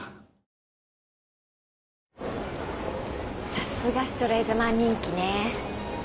さすがシュトレーゼマン人気ね。